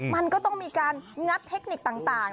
มันก็ต้องมีการงัดเทคนิคต่าง